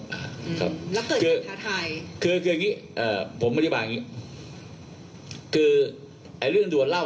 เปิดของลิสตรีไทยคือคืองี้อ่าผมพฤติบาคนี้คือเรื่องดวนเล่า